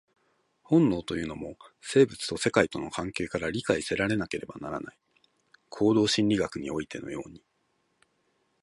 本能というのも、生物と世界との関係から理解せられなければならない、行動心理学においてのように。